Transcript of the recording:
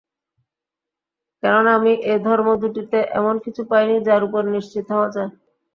কেননা আমি এ ধর্ম দুটিতে এমন কিছু পাইনি যার উপর নিশ্চিন্ত হওয়া যায়।